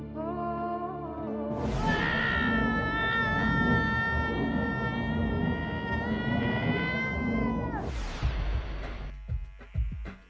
kalau berjalan seru